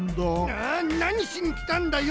ああなにしにきたんだよ！